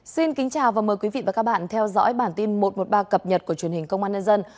xin kính chào và mời quý vị và các bạn theo dõi bản tin một trăm một mươi ba cập nhật của truyền hình công an nhân dân